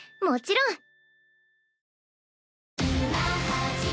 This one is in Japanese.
もちろん。